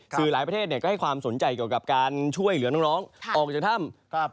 คือหลายประเทศก็ให้ความสนใจเกี่ยวกับการช่วยเหลือน้องออกจากถ้ำ